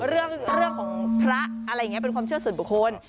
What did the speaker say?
เรื่องของพระอะไรอย่างนี้เป็นความเชื่อส่วนบุคคล